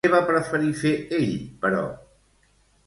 Què va preferir fer ell, però?